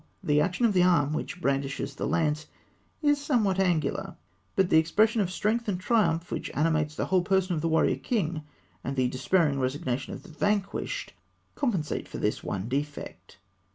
The action of the arm which brandishes the lance is somewhat angular, but the expression of strength and triumph which animates the whole person of the warrior king, and the despairing resignation of the vanquished, compensate for this one defect.